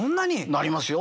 なりますよ。